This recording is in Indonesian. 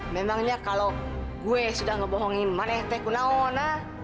memangnya kalau gue sudah ngebohongin mana teh ku nawon